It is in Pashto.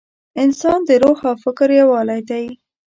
انسان د روح او فکر یووالی دی.